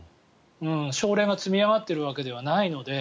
症例が積み上がっているわけではないので。